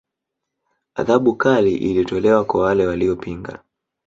Adhabu kali ilitolewa kwa wale waliopinga